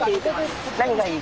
何がいい？